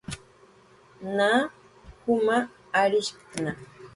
Na juma arishktna